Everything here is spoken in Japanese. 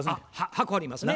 箱ありますね。